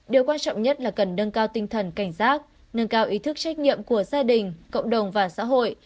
điều quan trọng nhất là cần nâng cao tinh thần cảnh giác nâng cao ý thức trách nhiệm của gia đình cộng đồng và xã hội